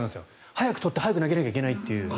早くとって早く投げなきゃいけないという。